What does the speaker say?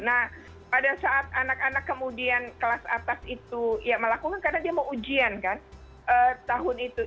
nah pada saat anak anak kemudian kelas atas itu ya melakukan karena dia mau ujian kan tahun itu